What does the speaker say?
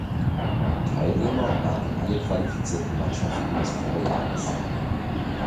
Teilnehmer waren alle qualifizierten Mannschaften des Vorjahres.